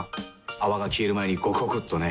泡が消える前にゴクゴクっとね。